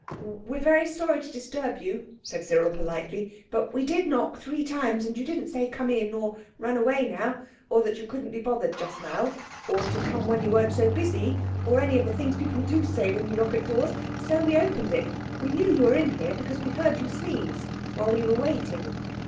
"We're very sorry to disturb you," said Cyril politely, "but we did knock three times, and you didn't say 'Come in', or 'Run away now', or that you couldn't be bothered just now, or to come when you weren't so busy, or any of the things people do say when you knock at doors, so we opened it. We knew you were in because we heard you sneeze while we were waiting."